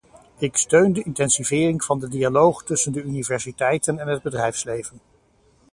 Ik steun de intensivering van de dialoog tussen de universiteiten en het bedrijfsleven.